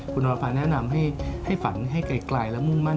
คุณวรภาแนะนำให้ฝันให้ไกลและมุ่งมั่น